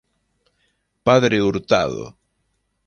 Padre Hurtado.